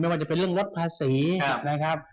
ว่าจะเป็นเรื่องลดภาษีนะครับ